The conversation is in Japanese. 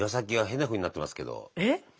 えっ？